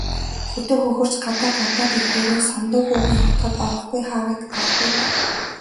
Хөдөө хөхөрч, гадаа гандаад ирэхээрээ Самдан хүүгийн атгад орохгүй хаа гарах вэ дээ.